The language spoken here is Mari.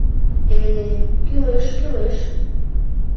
— Э... кӱлеш, кӱлеш...